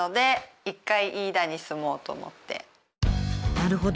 なるほど。